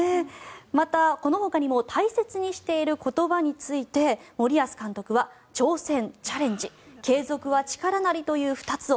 また、このほかにも大切にしている言葉について森保監督は挑戦・チャレンジ継続は力なりという２つを。